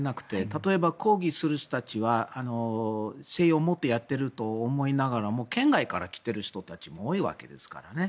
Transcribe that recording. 例えば抗議する人たちは正義をもってやっていると思いながらも県外から来てる人たちも多いわけですからね。